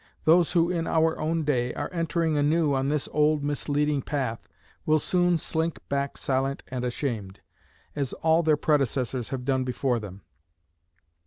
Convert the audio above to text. Those who in our own day are entering anew on this old, misleading path, will soon slink back silent and ashamed, as all their predecessors have done before them.